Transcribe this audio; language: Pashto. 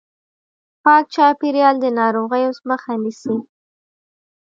پاک چاپیریال د ناروغیو مخه نیسي.